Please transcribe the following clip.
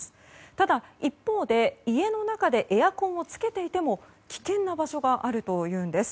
ただ、一方で家の中でエアコンをつけていても危険な場所があるというんです。